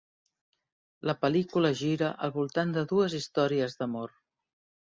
La pel·lícula gira al voltant de dues històries d'amor.